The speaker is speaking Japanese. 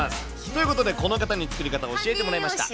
ということで、この方に作り方を教えてもらいました。